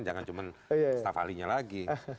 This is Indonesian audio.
jangan cuma staf ahlinya lagi